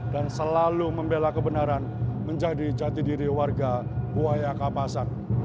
dan selalu membela kebenaran menjadi jati diri warga huayaka pasar